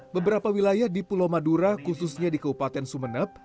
beberapa wilayah di pulau madura khususnya di kabupaten sumeneb